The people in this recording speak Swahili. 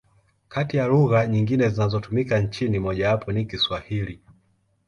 Kati ya lugha nyingine zinazotumika nchini, mojawapo ni Kiswahili.